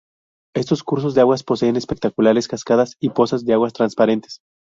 Estos cursos de aguas poseen espectaculares cascadas y pozas de aguas transparentes.